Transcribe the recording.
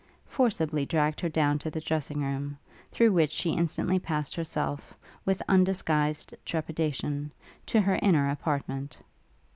forcibly dragged her down to the dressing room; through which she instantly passed herself, with undisguised trepidation, to her inner apartment.